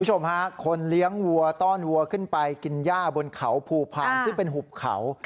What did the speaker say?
คุณผู้ชมฮะคนเลี้ยงวัวต้อนวัวขึ้นไปกินย่าบนเขาภูพาลซึ่งเป็นหุบเขา